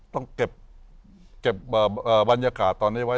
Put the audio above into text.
ต้องเก็บบรรยากาศตอนนี้ไว้